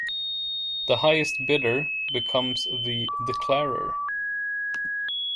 The highest bidder becomes the declarer.